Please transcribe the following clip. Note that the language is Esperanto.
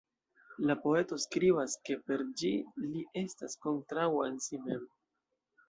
La poeto skribas ke per ĝi li estas "kontraŭa en si mem".